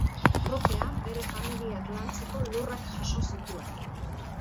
Trukean, bere familiak lantzeko lurrak jaso zituen.